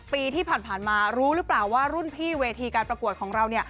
ปีที่ผ่านมารู้หรือเปล่าว่ารุ่นพี่เวทีการประกวดของเรา